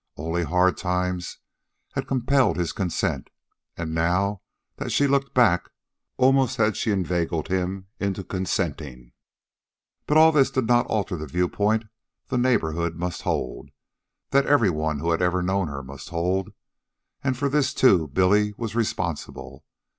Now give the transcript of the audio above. Only hard times had compelled his consent, and, now that she looked back, almost had she inveigled him into consenting. But all this did not alter the viewpoint the neighborhood must hold, that every one who had ever known her must hold. And for this, too, Billy was responsible.